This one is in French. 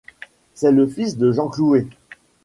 C'est le fils de Jean Clouet.